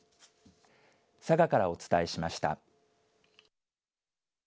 佐賀からお伝えしました。